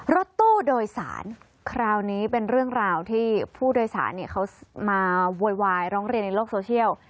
รถตู้โดยสารคราวนี้เป็นเรื่องราวที่ผู้โดยสารเขามาโวยวายร้องเรียนในโลกโซเชียล